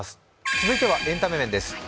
続いてはエンタメ面です。